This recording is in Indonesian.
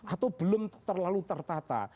atau belum terlalu tertata